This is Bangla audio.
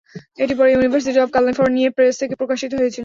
এটি পরে ইউনিভার্সিটি অব ক্যালিফোর্নিয়া প্রেস থেকে প্রকাশিত হয়েছিল।